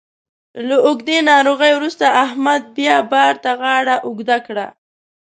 له اوږدې ناروغۍ وروسته احمد بیا بار ته غاړه اوږده کړه.